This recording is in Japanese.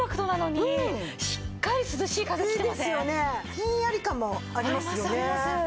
ひんやり感もありますよね。